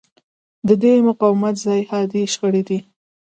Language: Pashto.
د دې مقاومت ځای حادې شخړې دي.